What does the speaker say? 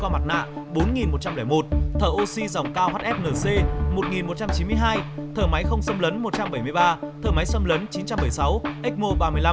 mặt nạ bốn một trăm linh một thở oxy dòng cao hfnc một nghìn một trăm chín mươi hai thở máy không xâm lấn một trăm bảy mươi ba thở máy xâm lấn chín trăm bảy mươi sáu ecmo ba mươi năm